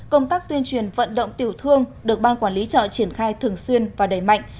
công tác tuyên truyền vận động tiểu thương được ban quản lý chợ triển khai thường xuyên và đẩy mạnh